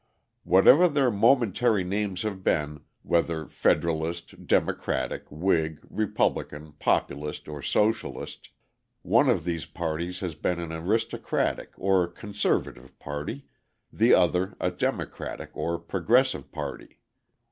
Whatever their momentary names have been, whether Federalist, Democratic, Whig, Republican, Populist, or Socialist, one of these parties has been an Aristocratic or conservative party, the other a democratic or progressive party.